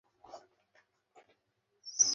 তাই ভয় পেয়ে ওর হাতটা ভেঙে দিয়েছিস, তাই না?